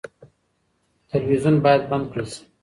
تلویزیون باید بند کړل شي.